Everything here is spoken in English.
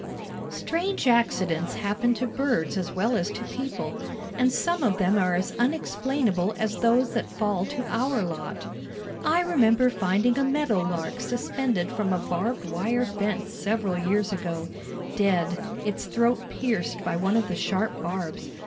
Strange accidents happen to birds as well as to people, and some of them are as unexplainable as those that fall to our lot. I remember finding a meadow lark suspended from a barbed wire fence several years ago, dead, its throat pierced by one of the sharp barbs.